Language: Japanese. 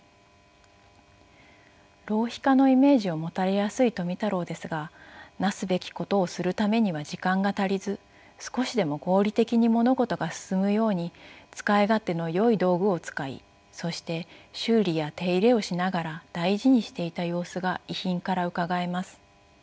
浪費家のイメージを持たれやすい富太郎ですがなすべきことをするためには時間が足りず少しでも合理的に物事が進むように使い勝手のよい道具を使いそして修理や手入れをしながら大事にしていた様子が遺品からうかがえます。